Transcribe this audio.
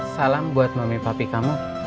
salam buat mami papi kamu